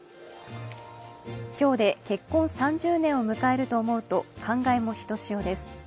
今日で結婚３０年を迎えると思うと感慨もひとしおです。